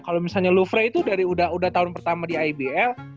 kalo misalnya lofre itu dari udah tahun pertama di ibl